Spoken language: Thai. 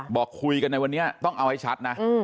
บอกคุยกันในวันนี้ต้องเอาให้ชัดนะ